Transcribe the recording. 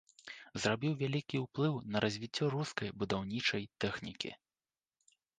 Зрабіў вялікі ўплыў на развіццё рускай будаўнічай тэхнікі.